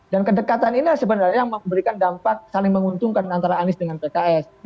dan kedekatan ini sebenarnya yang memberikan dampak saling menguntungkan antara anies dengan pks